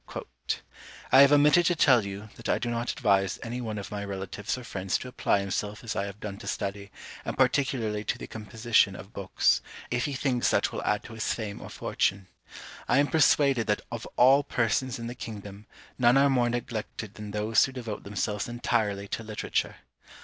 "I have omitted to tell you, that I do not advise any one of my relatives or friends to apply himself as I have done to study, and particularly to the composition of books, if he thinks that will add to his fame or fortune. I am persuaded that of all persons in the kingdom, none are more neglected than those who devote themselves entirely to literature.